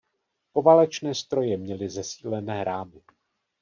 Poválečné stroje měly zesílené rámy.